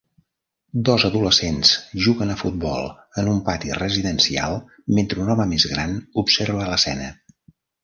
Dos adolescents juguen a futbol en un pati residencial mentre un home més gran observa l'escena.